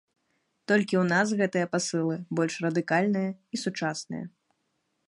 Толькі ў нас гэтыя пасылы больш радыкальныя і сучасныя.